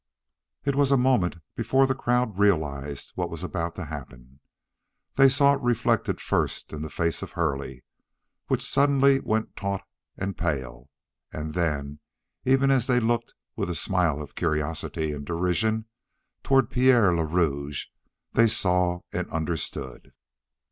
It was a moment before the crowd realized what was about to happen; they saw it reflected first in the face of Hurley, which suddenly went taut and pale, and then, even as they looked with a smile of curiosity and derision toward Pierre le Rouge, they saw and understood.